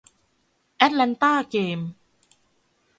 แอตแลนต้าเกมส์